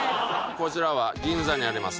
こちらは銀座にあります